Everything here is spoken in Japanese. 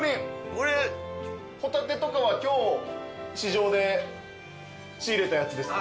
これホタテとかは今日市場で仕入れたやつですか？